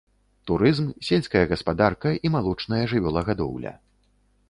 Турызм, сельская гаспадарка і малочная жывёлагадоўля.